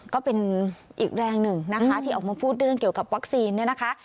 ก็เป็นอีกแรงหนึ่งนะคะที่ออกมาพูดเรื่องเกี่ยวกับวัคซีนเนี่ยนะคะ